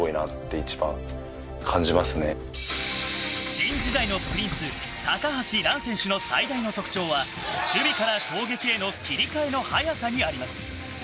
新時代のプリンス高橋藍選手の最大の特徴は守備から攻撃への切り替えの早さにあります。